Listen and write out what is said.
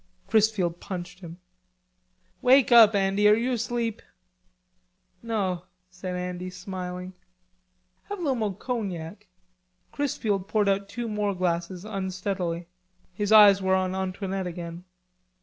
Chrisfield punched him. "Wake up, Andy, are you asleep?" "No," said Andy smiling. "Have a li'l mo' cognac." Chrisfield poured out two more glasses unsteadily. His eyes were on Antoinette again.